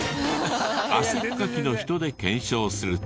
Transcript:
汗っかきの人で検証すると。